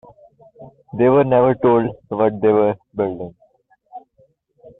They were never told what they were building.